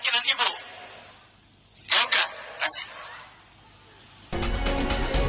enggak enggak sih